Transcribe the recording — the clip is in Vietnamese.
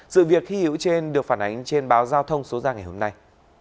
sự việc khi hữu trên được phản ánh trên báo giao thông số ra ngày hôm nay